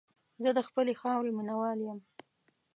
زه د خپلې خاورې مینه وال یم.